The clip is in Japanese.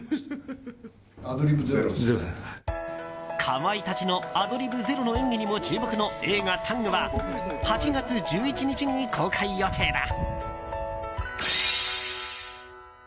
かまいたちのアドリブゼロの演技にも注目の映画「ＴＡＮＧタング」は８月１１日に公開予定だ。